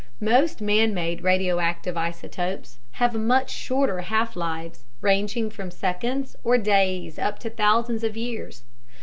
Most manmade radioactive isotopes have much shorter half lives, ranging from seconds or days up to thousands of years.